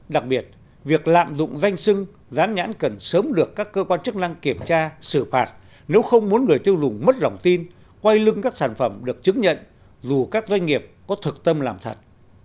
đặc biệt việc lạm dụng danh sưng dán nhãn cần sớm được các cơ quan chức năng kiểm tra xử phạt nếu không muốn người tiêu dùng mất lòng tin quay lưng các sản phẩm được chứng nhận dù các doanh nghiệp có thực tâm làm thật